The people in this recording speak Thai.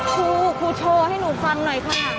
ครูโชว์ให้หนูฟังหน่อยค่ะ